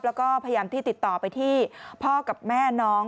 แล้วก็พยายามที่ติดต่อไปที่พ่อกับแม่น้อง